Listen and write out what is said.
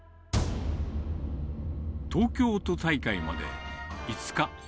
東京都大会まで５日。